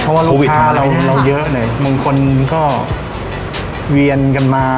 เพราะว่าโควิดเราเยอะเลยบางคนก็เวียนกันมา